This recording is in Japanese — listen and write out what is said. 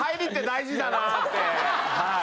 はい。